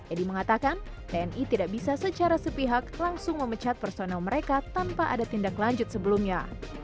edi mengatakan tni tidak bisa secara sepihak langsung memecat personel mereka tanpa ada tindak lanjut sebelumnya